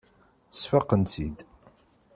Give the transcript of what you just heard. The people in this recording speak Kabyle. Sfaqen-tt-id.